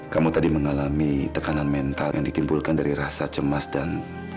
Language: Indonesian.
kamu tadi mengalami tekanan mental yang ditimbulkan dari rasa cemas dan